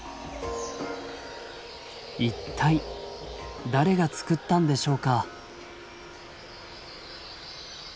一体誰が作ったんでしょうか。